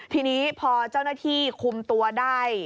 ทีนี้พอเจ้าหน้าที่คุมตัวได้